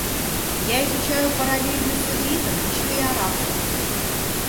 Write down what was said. Я изучаю параллельно с ивритом ещё и арабский.